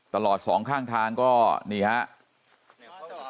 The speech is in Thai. สองข้างทางก็นี่ครับ